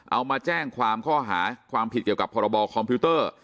เอามาแจ้งความข้อหาความผิดเกี่ยวกับพรบคอมพิวเตอร์